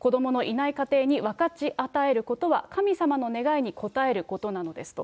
子どものいない家庭に分かち与えることは神様の願いに応えることなのですと。